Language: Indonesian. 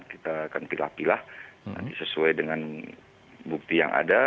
kita akan pilah pilah nanti sesuai dengan bukti yang ada